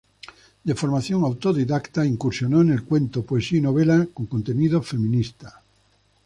De formación autodidacta, incursionó en el cuento, poesía y novela con contenido feminista.